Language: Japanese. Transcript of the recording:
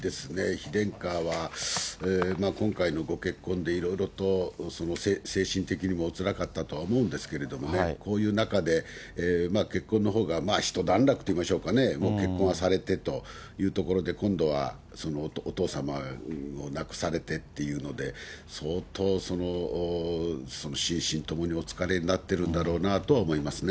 妃殿下は今回のご結婚でいろいろと精神的にもおつらかったとは思うんですけれどもね、こういう中で結婚のほうが一段落といいましょうかね、もう結婚はされてというところで、今度はお父様を亡くされてっていうので、相当心身ともにお疲れになってるんだろうなとは思いますね。